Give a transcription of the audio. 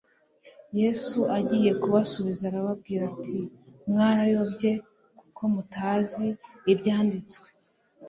yesu agiye kubasubiza arababwira ati “mwarayobye kuko mutazi ibyanditswe